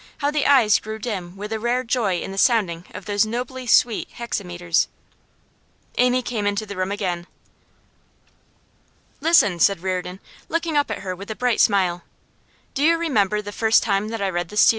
How the eyes grew dim with a rare joy in the sounding of those nobly sweet hexameters! Amy came into the room again. 'Listen,' said Reardon, looking up at her with a bright smile. 'Do you remember the first time that I read you this?